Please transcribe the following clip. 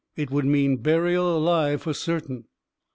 It would mean burial alive for certain